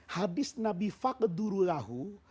hadis nabi fakdurulahu